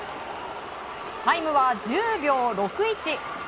タイムは１０秒６１！